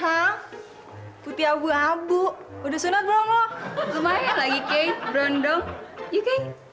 hai putih abu abu udah sunat belum lo lumayan lagi kek rendang yuk